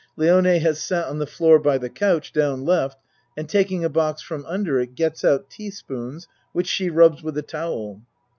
Lione has sat on the floor by the couch down L. and taking a box from under it gets out teaspoons which she rubs with a towel.)